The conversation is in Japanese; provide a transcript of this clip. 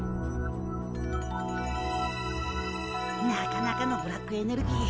なかなかのブラックエネルギー。